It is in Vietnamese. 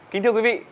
kính thưa quý vị